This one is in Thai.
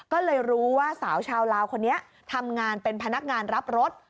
ก็เลยรู้ว่าสาวชาวลาวคนนี้ทำงานเป็นพนักงานรับรถ